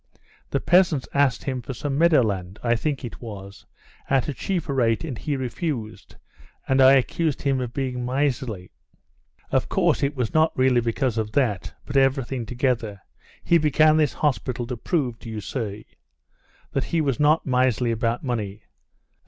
The peasants asked him for some meadowland, I think it was, at a cheaper rate, and he refused, and I accused him of being miserly. Of course it was not really because of that, but everything together, he began this hospital to prove, do you see, that he was not miserly about money.